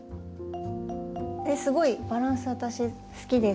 えっすごいバランス私好きです。